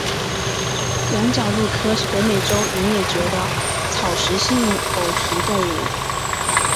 原角鹿科是北美洲已灭绝的草食性偶蹄动物。